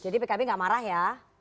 jadi pkb enggak marah ya